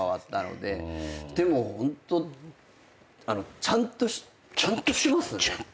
でもホントあのちゃんとちゃんとしてますよね。